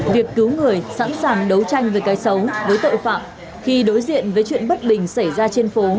việc cứu người sẵn sàng đấu tranh với cái xấu với tội phạm khi đối diện với chuyện bất bình xảy ra trên phố